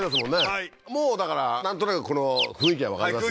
はいもうだからなんとなくこの雰囲気はわかりますよね